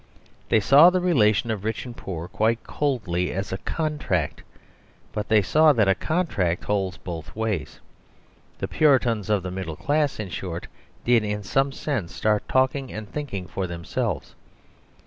They saw the relation of rich and poor quite coldly as a contract, but they saw that a contract holds both ways. The Puritans of the middle class, in short, did in some sense start talking and thinking for themselves.